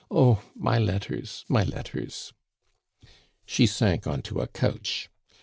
Oh, my letters, my letters!" She sank on to a couch.